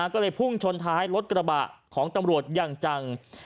ก็เลยพุ่งชนท้ายรถกระบะของตำรวจอย่างจัง